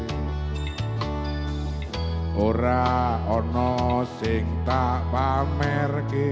orang orang yang tak pamerki